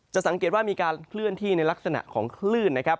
สังเกตว่ามีการเคลื่อนที่ในลักษณะของคลื่นนะครับ